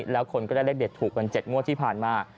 แล้วคนก็ได้เลขเด็ดถูกกัน๗งวดที่ผ่านมา